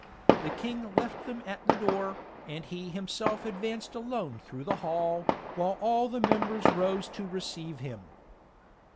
The king left them at the door, and he himself advanced alone through the hall, while all the members rose to receive him.